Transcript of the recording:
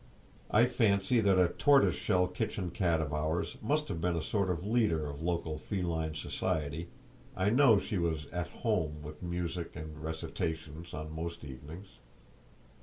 I fancy that a tortoise shell kitchen cat of ours must have been a sort of leader of local feline society—I know she was "at home," with music and recitations, on most evenings.